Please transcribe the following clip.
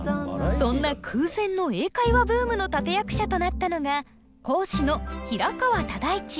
そんな空前の英会話ブームの立て役者となったのが講師の平川唯一。